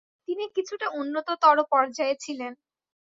তিনি কিছুটা উন্নততর পর্যায়ে ছিলেন।